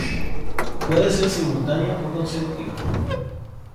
Puede ser simultánea o consecutiva.